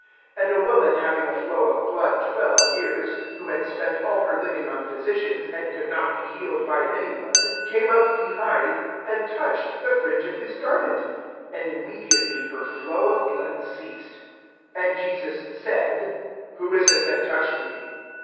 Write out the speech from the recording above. (43)And a woman having a flow of blood twelve years, who had spent all her living on physicians, and could not be healed by any one, (44)came up behind, and touched the fringe of his garment; and immediately her flow of blood ceased. (45)And Jesus said: Who is it that touched me?